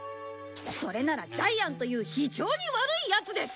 それならジャイアンという非常に悪いヤツです。